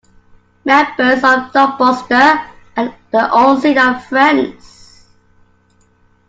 Members of Darkbuster and The Unseen are friends.